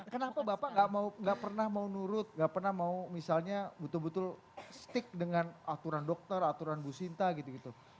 kenapa bapak nggak pernah mau nurut gak pernah mau misalnya betul betul stick dengan aturan dokter aturan bu sinta gitu gitu